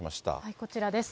こちらです。